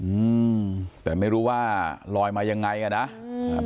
อืมแต่ไม่รู้ว่าลอยมายังไงอ่ะนะอืมอ่า